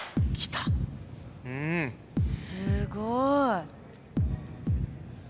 すごい。